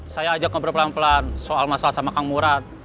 saya ajak ngobrol pelan pelan soal masalah sama kang murad